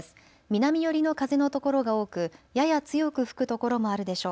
南寄りの風のところが多くやや強く吹く所もあるでしょう。